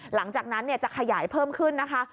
หลังจากนั้นจะขยายเพิ่มขึ้นนะคะ